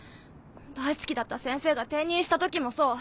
大好きだった先生が転任した時もそう。